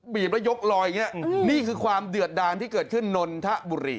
แล้วยกลอยอย่างนี้นี่คือความเดือดดานที่เกิดขึ้นนนทบุรี